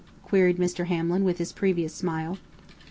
queried Mr. Hamlin, with his previous smile.